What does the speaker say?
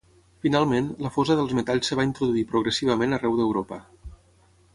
Finalment, la fosa dels metalls es va introduir progressivament arreu d'Europa.